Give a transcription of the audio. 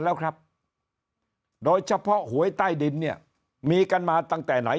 แล้วครับโดยเฉพาะหวยใต้ดินเนี่ยมีกันมาตั้งแต่ไหน